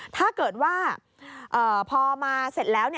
ถ้าเกิดว่าพอมาเสร็จแล้ว